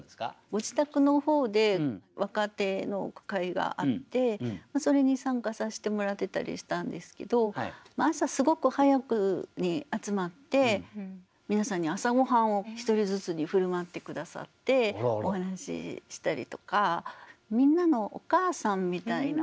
ご自宅の方で若手の句会があってそれに参加させてもらってたりしたんですけど朝すごく早くに集まって皆さんに朝ごはんを一人ずつに振る舞って下さってお話ししたりとか。